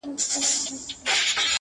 كه به زما په دعا كيږي،